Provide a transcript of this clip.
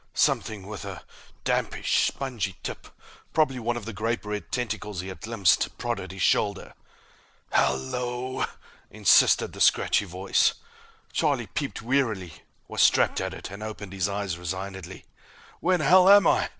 Something with a dampish, spongy tip, probably one of the grape red tentacles he had glimpsed, prodded his shoulder. "Hel lo!" insisted the scratchy voice. Charlie peeped warily, was trapped at it, and opened his eyes resignedly. "Where'n'ell am I?"